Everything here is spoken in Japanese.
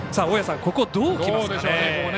大矢さん、ここどうきますかね。